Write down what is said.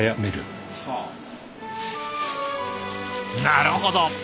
なるほど。